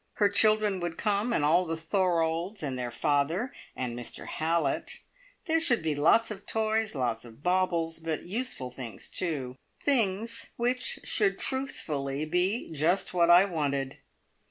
Her children would come, and all the Thorolds, and their father, and Mr Hallett. There should be lots of toys, and lots of baubles, but useful things too! Things which should truthfully be "just what I wanted!"